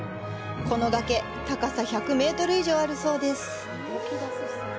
この崖、高さ１００メートル以上あるそうです。